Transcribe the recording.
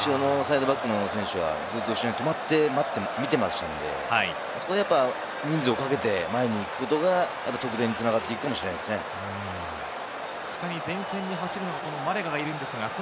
サイドバックの選手はずっと後ろに止まって、待って見ていましたので、そこで人数をかけて前に行くことが得点につながっていくかもしれないですね。